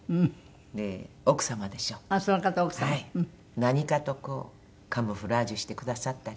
何かとこうカムフラージュしてくださったり。